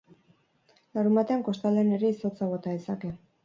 Larunbatean, kostaldean ere izotza bota dezake.